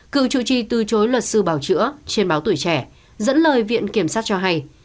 cựu chủ trì từ chối luật sư bào chữa trên báo tuổi trẻ dẫn lời viện kiểm sát cho hay